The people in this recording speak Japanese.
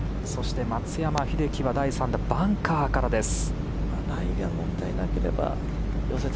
松山英樹は第３打バンカーからです。